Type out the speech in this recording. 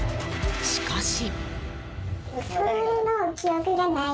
しかし。